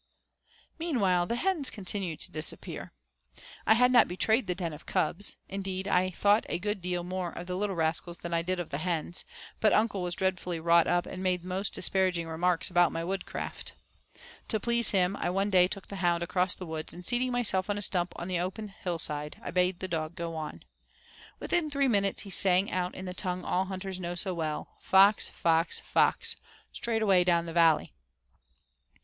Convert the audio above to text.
III Meanwhile the hens continued to disappear. I had not betrayed the den of cubs. Indeed, I thought a good deal more of the little rascals than I did of the hens; but uncle was dreadfully wrought up and made most disparaging remarks about my woodcraft. To please him I one day took the hound across to the woods and seating myself on a stump on the open hillside, I bade the dog go on. Within three minutes he sang out in the tongue all hunters know so well, "Fox! fox! fox! straight away down the valley."